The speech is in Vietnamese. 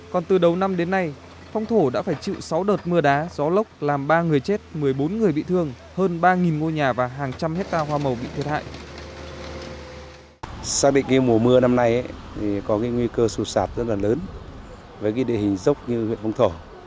còn từ đầu năm đến nay huyện phong thổ đã đạt được tất cả các phương án và dụng cụ hỗ trợ